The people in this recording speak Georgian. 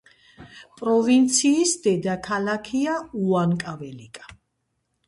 პროვინციის დედაქალაქია უანკაველიკა.